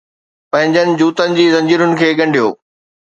پنھنجن جوتن جي زنجيرن کي ڳنڍيو